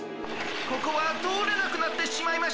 ここはとおれなくなってしまいました。